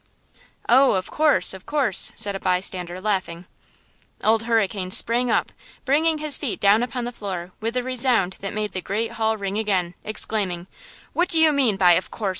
"Oh, of course! of course!" said a bystander, laughing. Old Hurricane sprang up, bringing his feet down upon the floor with a resound that made the great hall ring again, exclaiming: "What do you mean by 'of course!